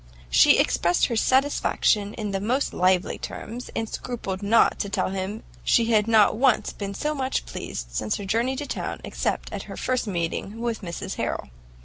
She expressed her satisfaction in the most lively terms, and scrupled not to tell him she had not once been so much pleased since her journey to town, except at her first meeting with Mrs Harrel.